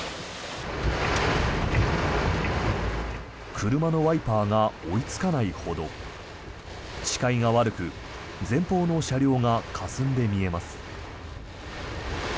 車のワイパーが追いつかないほど視界が悪く前方の車両がかすんで見えます。